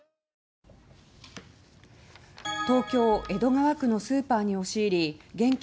東京・江戸川区のスーパーに押し入り現金